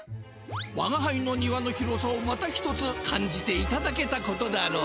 わがはいの庭の広さをまた一つ感じていただけたことだろう。